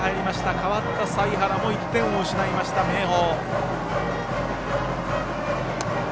代わった財原も１点を失いました明豊。